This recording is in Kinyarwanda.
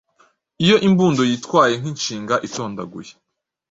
Iyo imbundo yitwaye nk’inshinga itondaguye,